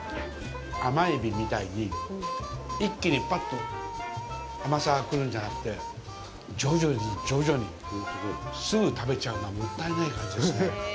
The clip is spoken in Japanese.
甘エビみたいに一気にぱっと甘さが来るんじゃなくて徐々に徐々に、すぐ食べちゃうのはもったいない感じですね。